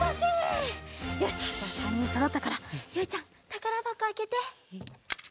よしじゃあ３にんそろったからゆいちゃんたからばこあけて。